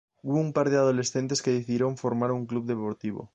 Hubo un par de adolescentes que decidieron formar un club deportivo.